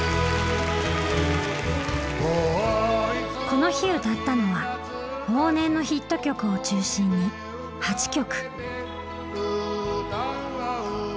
この日歌ったのは往年のヒット曲を中心に８曲。